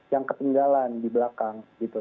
yang ketinggalan di belakang gitu